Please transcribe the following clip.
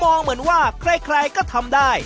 เหมือนว่าใครก็ทำได้